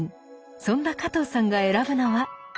そんな加藤さんが選ぶのは。